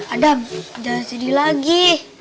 adam jangan sedih lagi